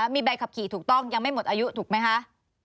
มีใบขับขี่ถูกต้องยังไม่หมดอายุถูกไหมคะ